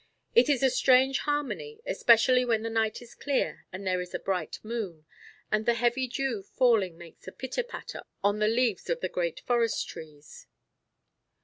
It is a strange harmony, especially when the night is clear and there is a bright moon, and the heavy dew falling makes a pitter patter on the leaves of the great forest trees.